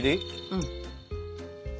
うん。